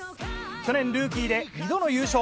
去年ルーキーで２度の優勝。